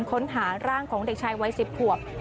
ค้นหาร่างของเด็กชายวัย๑๐ขวบ